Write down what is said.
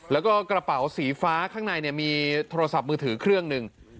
แล้วก็กระเป๋าสีฟ้าข้างในมีโทรศัพท์มือถือเครื่องหนึ่ง